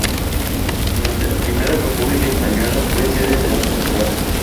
Durante la Primera República Española fue sede de un juzgado.